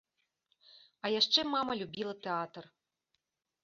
А яшчэ мама любіла тэатр.